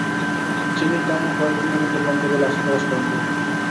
চিনির দামও কয়েক দিনের মধ্যে কমবে বলে আশা প্রকাশ করেন তিনি।